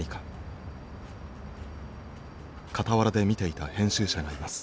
傍らで見ていた編集者がいます。